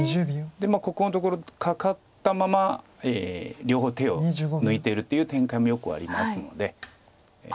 ここのところカカったまま両方手を抜いているという展開もよくありますので。